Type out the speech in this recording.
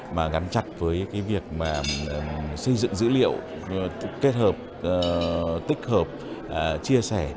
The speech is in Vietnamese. mà gắn chặt với việc xây dựng dữ liệu kết hợp tích hợp chia sẻ